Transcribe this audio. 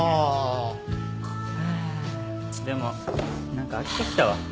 でも何か飽きてきたわ